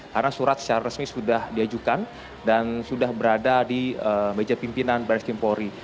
karena surat secara resmi sudah diajukan dan sudah berada di meja pimpinan baris kempori